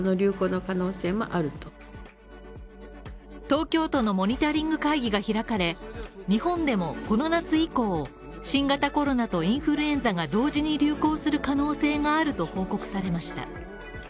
東京都のモニタリング会議が開かれ、日本でもこの夏以降、新型コロナとインフルエンザが同時に流行する可能性があると報告されました